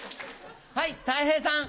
はいたい平さん。